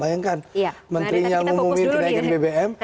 bayangkan menterinya ngumumin kenaikan bbm